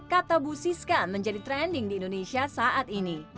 kata bu siska menjadi trending di indonesia saat ini